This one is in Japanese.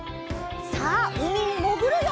さあうみにもぐるよ！